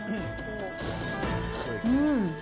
うん。